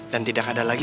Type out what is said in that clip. dan tidak ada lagi